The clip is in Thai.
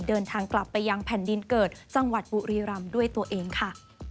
เดินทางกลับไปยังแผ่นดินเกิดจังหวัดบุรีรำด้วยตัวเองค่ะ